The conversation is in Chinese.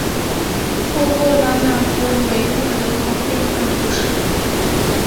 富后拉讷夫维勒人口变化图示